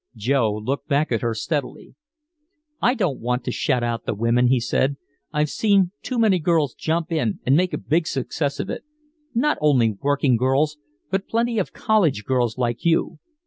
Joe looked back at her steadily. "I don't want to shut out the women," he said. "I've seen too many girls jump in and make a big success of it. Not only working girls, but plenty of college girls like you."